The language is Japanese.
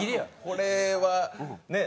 これはね